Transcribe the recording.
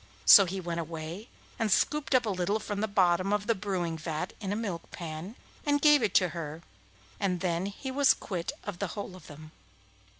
So he went away and scooped up a little from the bottom of the brewing vat in a milk pan, and gave it to her, and then he was quit of the whole of them.